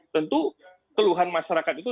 tentu keluhan masyarakat itu